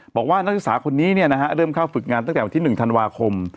บอกว่านักศึกษาคนนี้เริ่มเข้าฝึกงานตั้งแต่วันที่๑ธันวาคม